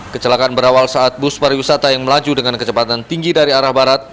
kecelakaan berawal saat bus pariwisata yang melaju dengan kecepatan tinggi dari arah barat